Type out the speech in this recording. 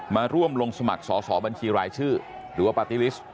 มาร่วมลงสมัครสอสอบัญชีรายชื่อหรือว่าปาร์ตี้ลิสต์